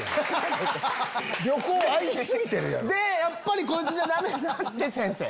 でやっぱりこいつじゃダメだで先生。